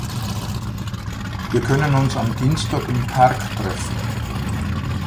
Wir können uns am Dienstag im Park treffen.